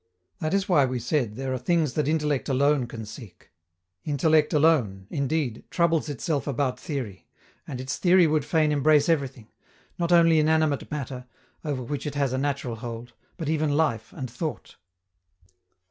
That is why we said there are things that intellect alone can seek. Intellect alone, indeed, troubles itself about theory; and its theory would fain embrace everything not only inanimate matter, over which it has a natural hold, but even life and thought.